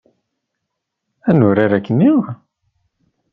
Ad nurar akkenni?